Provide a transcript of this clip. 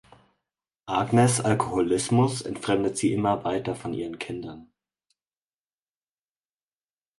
Agnes’ Alkoholismus entfremdet sie immer weiter von ihren Kindern.